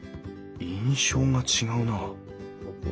印象が違うなあ。